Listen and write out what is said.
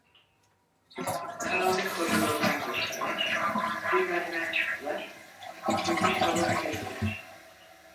Karanlık koridordan geçtiler, bir merdiven çıktılar ve bir salona girdiler.